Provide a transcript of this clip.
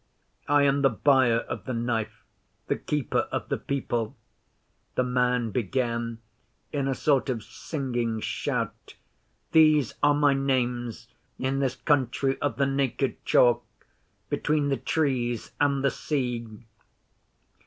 I am the Buyer of the Knife the Keeper of the People,' the man began, in a sort of singing shout. 'These are my names in this country of the Naked Chalk, between the Trees and the Sea.